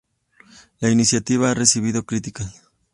La iniciativa ha recibido críticas.